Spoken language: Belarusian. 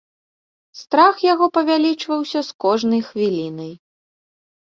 Страх яго павялічваўся з кожнай хвілінай.